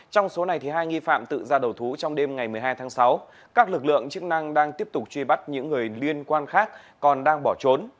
trong số này hai nghi phạm tự ra đầu thú trong đêm ngày một mươi hai tháng sáu các lực lượng chức năng đang tiếp tục truy bắt những người liên quan khác còn đang bỏ trốn